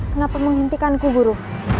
kenapa menghentikanku guru